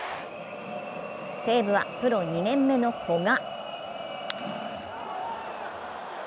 西武はプロ２年目の古賀。